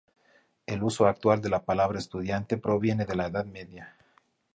El uso actual de la palabra estudiante proviene de la edad media.